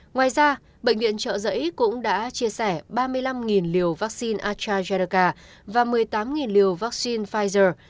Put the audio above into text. ngoài ra bệnh viện trợ giấy cũng đã chia sẻ ba mươi năm liều vaccine astrazeneca và một mươi tám liều vaccine pfizer